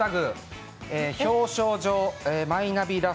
表彰状マイナビ